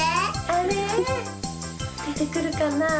あれ？でてくるかな？